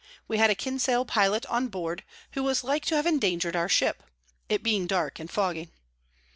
We had a Kinsale Pilot on board, who was like to have endanger'd our Ship, it being dark and foggy.